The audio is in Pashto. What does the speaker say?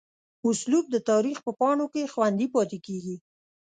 اسلوب دَ تاريخ پۀ پاڼو کښې خوندي پاتې کيږي